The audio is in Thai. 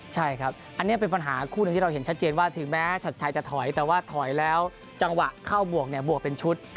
ใช่ครับอันนี้เป็นปัญหาคู่หนึ่งที่เราเห็นชัดเจนว่าถึงแม้ชัดชัยจะถอยแต่ว่าถอยแล้วจังหวะเข้าบวกเนี่ยบวกเป็นชุด